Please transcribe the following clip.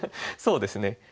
そうですね。